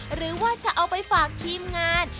หรือว่าจะเอาไปฝากทีมงาน